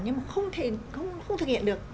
nhưng mà không thể không thực hiện được